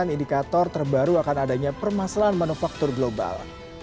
indikator terbaru akan adanya permasalahan manufaktur global